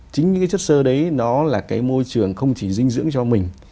chính những cái chất sơ đấy nó là cái môi trường không chỉ dinh dưỡng cho mình